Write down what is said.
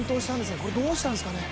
これ、どうしたんですかね？